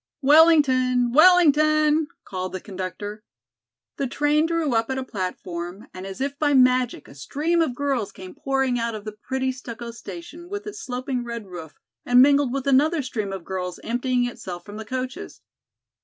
"Wellington! Wellington!" called the conductor. The train drew up at a platform, and as if by magic a stream of girls came pouring out of the pretty stucco station with its sloping red roof and mingled with another stream of girls emptying itself from the coaches.